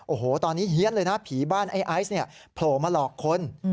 โอ้โหตอนนี้เฮียนเลยนะผีบ้านไอ้ไอซ์เนี่ยโผล่มาหลอกคน